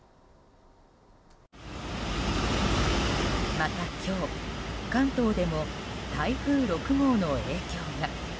また今日、関東でも台風６号の影響が。